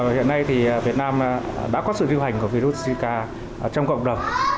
hiện nay thì việt nam đã có sự lưu hành của virus zika trong cộng đồng